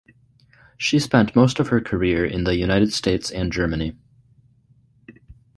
She spent most of her career in the United States and Germany.